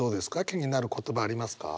気になる言葉ありますか？